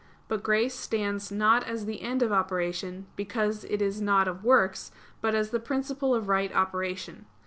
But grace stands not as the end of operation, because it is not of works, but as the principle of right operation.